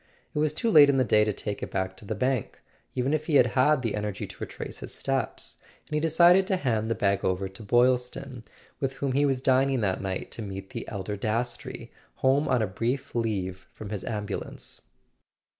It was too late in the day to take it back to the bank, even if he had had the energy to retrace his steps; and he decided to hand the bag over to Boylston, with whom he was dining that night to meet the elder Dastrey, home on a brief leave from his ambulance.